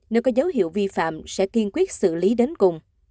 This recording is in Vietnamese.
nếu có dấu hiệu vi phạm sẽ kiên quyết xử lý đến cùng